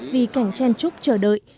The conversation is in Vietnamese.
vì cảnh chen trúc chờ đợi